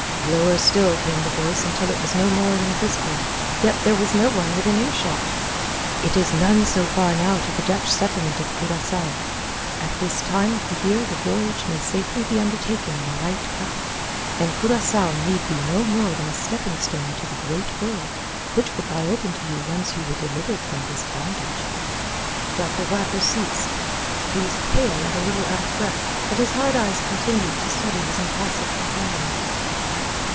Lower still came the voice until it was no more than a whisper. Yet there was no one within earshot. "It is none so far now to the Dutch settlement of Curacao. At this time of the year the voyage may safely be undertaken in a light craft. And Curacao need be no more than a stepping stone to the great world, which would lie open to you once you were delivered from this bondage." Dr. Whacker ceased. He was pale and a little out of breath. But his hard eyes continued to study his impassive companion.